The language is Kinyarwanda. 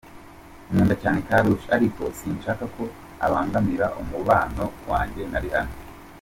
Nkunda cyane Karrueche ariko sinshaka ko abangamira umubano wanjye na Rihanna.